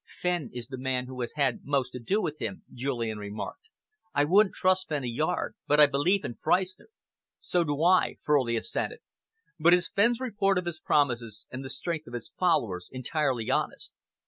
"Fenn is the man who has had most to do with him," Julian remarked. "I wouldn't trust Fenn a yard, but I believe in Freistner." "So do I," Furley assented, "but is Fenn's report of his promises and the strength of his followers entirely honest?"